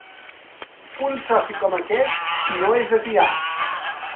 Un soci com aquest no és de fiar!